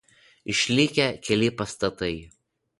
Išlikę keli pastatai.